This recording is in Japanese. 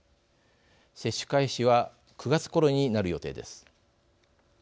接種開始は９月ごろになる予定です。